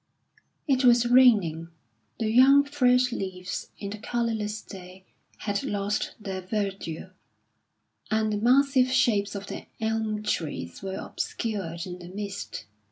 It was raining. The young fresh leaves, in the colourless day, had lost their verdure, and the massive shapes of the elm trees were obscured in the mist.